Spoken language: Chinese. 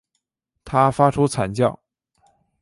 他发出惨叫